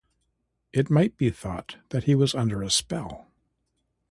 It might be thought that he was under a spell.